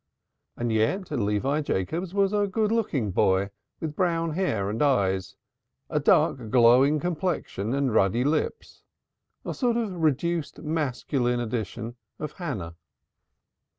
And yet Levi Jacobs was a good looking boy with brown hair and eyes, a dark glowing complexion and ruddy lips a sort of reduced masculine edition of Hannah.